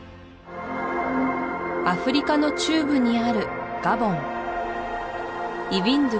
アフリカの中部にあるガボンイヴィンドゥ